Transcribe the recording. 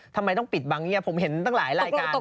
ทำไมต้องปิดบังเงียบผมเห็นตั้งหลายรายการ